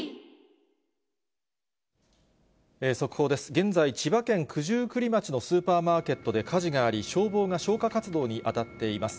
現在、千葉県九十九里町のスーパーマーケットで火事があり、消防が消火活動に当たっています。